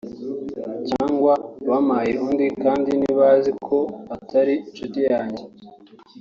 (cyangwa) bampaye undi kandi ntibazi ko atari inshuti yanjye